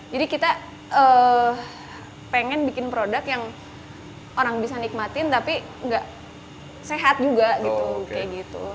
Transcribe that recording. jadi kita pengen bikin produk yang orang bisa nikmatin tapi nggak sehat juga gitu